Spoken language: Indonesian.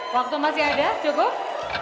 waktu masih ada cukup